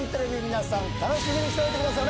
皆さん楽しみにしておいてください。